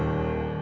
ya betul betul itu